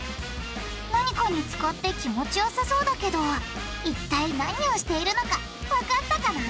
なにかにつかって気持ちよさそうだけど一体なにをしているのかわかったかな？